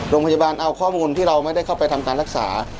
โรงพยาบาลเอาข้อมูลที่เราไม่ได้เข้าไปทำการรักษา